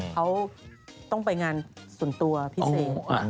เขาต้องไปงานส่วนตัวพิเศษ